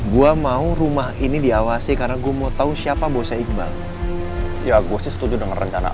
gue mau rumah ini diawasi karena gue mau tahu siapa bosnya iqbal ya gue sih setuju dengan rencana